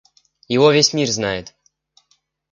Его весь мир знает.